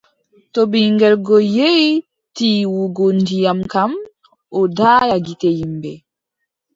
To ɓiŋngel go yehi tiiwugo ndiyam kam, o daaya gite yimɓe.